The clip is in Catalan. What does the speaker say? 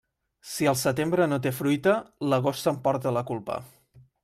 Si el setembre no té fruita, l'agost s'emporta la culpa.